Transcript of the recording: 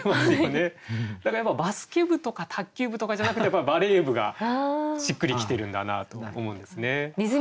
だからやっぱバスケ部とか卓球部とかじゃなくてバレー部がしっくり来てるんだなと思うんですね。